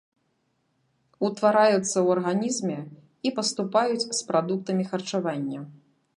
Утвараюцца ў арганізме і паступаюць з прадуктамі харчавання.